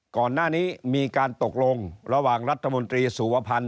ก่อนหน้านี้มีการตกลงระหว่างรัฐมนตรีสุวพันธ์